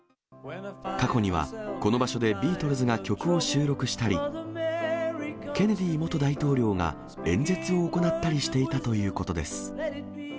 過去には、この場所でビートルズが曲を収録したり、ケネディ元大統領が演説を行ったりしていたということです。